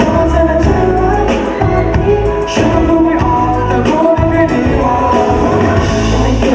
แต่ฉันรู้ว่ามันยากจะปลอดแต่ฉันไม่กลัวเหมือนหนักใจที่จะกลิ่นไป